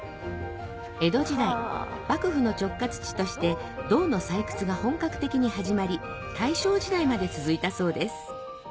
江戸時代幕府の直轄地として銅の採掘が本格的に始まり大正時代まで続いたそうです